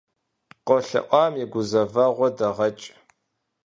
КъолъэӀуам и гузэвэгъуэ дэгъэкӀ.